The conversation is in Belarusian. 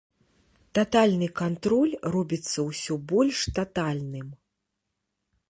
Татальны кантроль робіцца ўсё больш татальным.